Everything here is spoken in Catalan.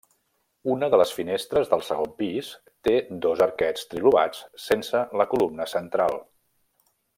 Una de les finestres del segon pis té dos arquets trilobats sense la columna central.